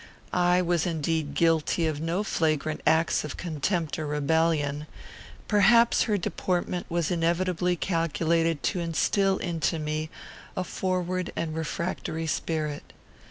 I was indeed guilty of no flagrant acts of contempt or rebellion. Perhaps her deportment was inevitably calculated to instil into me a froward and refractory spirit.